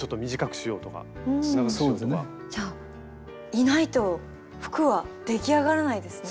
いないと服は出来上がらないですね。